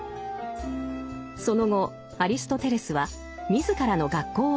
その後アリストテレスは自らの学校を作りました。